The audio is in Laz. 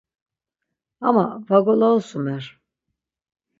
Ama va golavusumer.